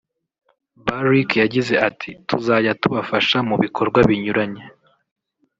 Barick yagize ati “ Tuzajya tubafasha mu bikorwa binyuranye